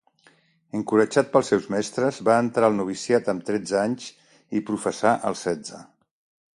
Encoratjat pels seus mestres va entrar al noviciat amb tretze anys, i professà als setze.